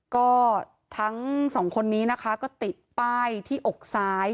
ก็ทั้งสองคนนี้นะคะก็ติดป้ายที่อกซ้าย